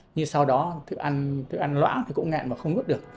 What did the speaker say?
nhưng sau đó thức ăn lõa thì cũng nghẹn và không uống được